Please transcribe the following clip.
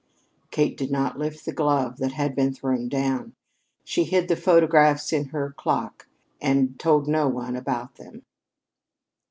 Kate did not lift the glove that had been thrown down. She hid the photographs in her clock and told no one about them.